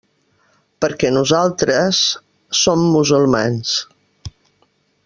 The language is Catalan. Perquè nosaltres... som musulmans.